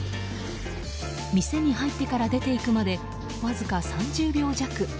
店に入ってから出て行くまでわずか３０秒弱。